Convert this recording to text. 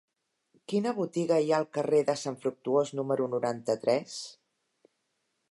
Quina botiga hi ha al carrer de Sant Fructuós número noranta-tres?